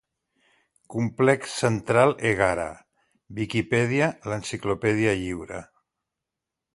Complex Central Egara - Viquipèdia, l'enciclopèdia lliure.